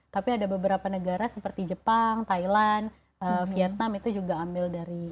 tapi ada beberapa negara seperti jepang thailand vietnam itu juga ambil dari